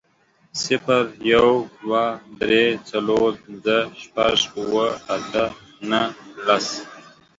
صفر، يو، دوه، درې، څلور، پنځه، شپږ، اووه، اته، نهه، لس